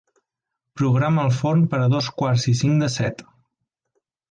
Programa el forn per a dos quarts i cinc de set.